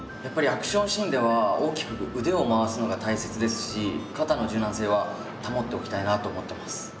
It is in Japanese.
やっぱりアクションシーンでは大きく腕を回すのが大切ですし肩の柔軟性は保っておきたいなと思ってます。